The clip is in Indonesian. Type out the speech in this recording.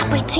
apa itu sih